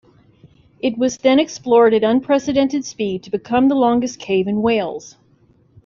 It was then explored at unprecedented speed to become the longest cave in Wales.